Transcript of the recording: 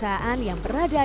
ada orang yang bersenang senang